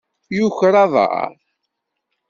Yuker aḍaṛ.